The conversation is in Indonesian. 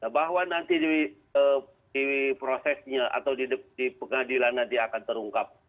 bahwa nanti di prosesnya atau di pengadilan nanti akan terungkap